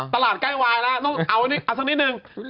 ใกล้วายแล้วต้องเอาสักนิดนึง